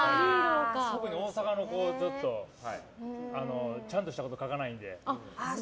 特に大阪の子はちゃんとしたこと書かないので。